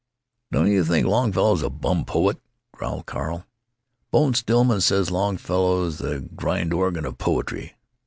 "Don't you think Longfellow's a bum poet?" growled Carl. "Bone Stillman says Longfellow's the grind organ of poetry.